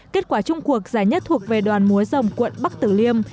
kết quả chung cuộc giải nhất thuộc về đoàn múa dòng quận bắc tử liêm